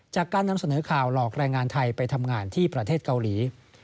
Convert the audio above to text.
จากการนำเสนอข่าวหลอกแรงงานไทยไปทำงานที่ประเทศเกาหลี